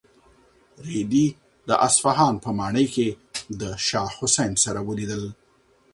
رېدي د اصفهان په ماڼۍ کې د شاه حسین سره ولیدل.